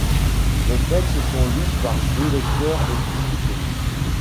Les textes sont lus par deux lecteurs et discutés.